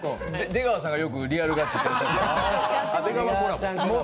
出川さんがよくリアルガチって言う。